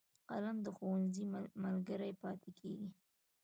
قلم د ښوونځي ملګری پاتې کېږي